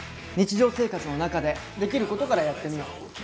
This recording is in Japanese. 日常生活の中でできることからやってみよう。